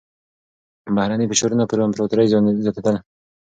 بهرني فشارونه پر امپراتورۍ زياتېدل.